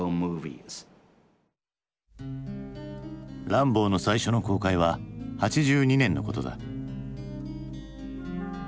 「ランボー」の最初の公開は８２年のことだ。